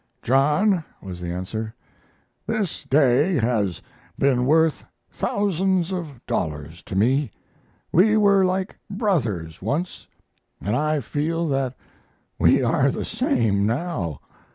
"John," was the answer, "this day has been worth thousands of dollars to me. We were like brothers once, and I feel that we are the same now.